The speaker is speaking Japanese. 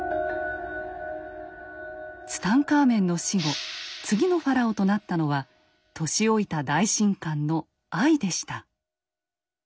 ツタンカーメンの死後次のファラオとなったのは年老いた大神官のアイでした。